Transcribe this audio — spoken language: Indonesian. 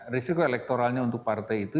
risiko elektoralnya untuk partai itu